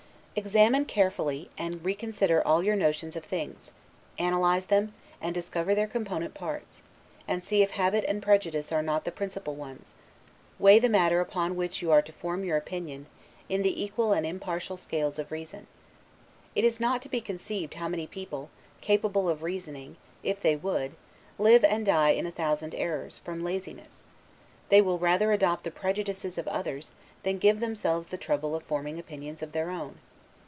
Examine carefully, and reconsider all your notions of things; analyze them, and discover their component parts, and see if habit and prejudice are not the principal ones; weigh the matter upon which you are to form your opinion, in the equal and impartial scales of reason. It is not to be conceived how many people, capable of reasoning, if they would, live and die in a thousand errors, from laziness; they will rather adopt the prejudices of others, than give themselves the trouble of forming opinions of their own.